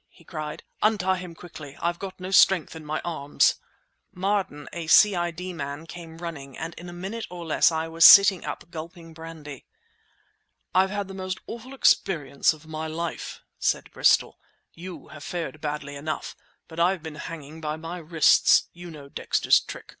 he cried, "Untie him quickly! I've got no strength in my arms!" Marden, a C.I.D. man, came running, and in a minute, or less, I was sitting up gulping brandy. "I've had the most awful experience of my life," said Bristol. "You've fared badly enough, but I've been hanging by my wrists—you know Dexter's trick!